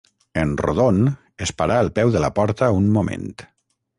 En Rodon es parà al peu de la porta un moment